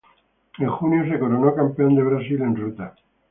En junio se coronó Campeón de Brasil en ruta.